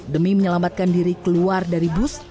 demi menyelamatkan diri keluar dari bus